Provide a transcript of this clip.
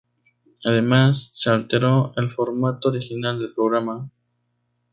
Además, se alteró el formato original del programa.